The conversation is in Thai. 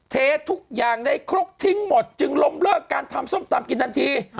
เททุกอย่างได้ครกทิ้งหมดจึงล้มเลิกการทำส้มตำกินทันที